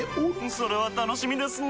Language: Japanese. それは楽しみですなぁ。